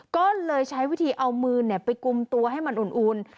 ก็เลยใช้วิธีเอามือไปกุมตัวให้มันอุ่น